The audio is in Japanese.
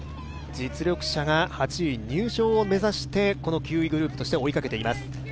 実力者が８位入賞を目指して、９位グループとして追いかけています。